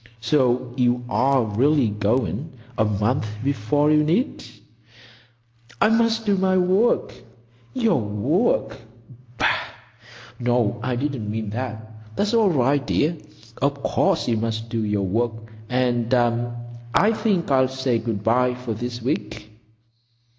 So you are really going,—a month before you need?" "I must do my work." "Your work—bah!... No, I didn't mean that. It's all right, dear. Of course you must do your work, and—I think I'll say good bye for this week."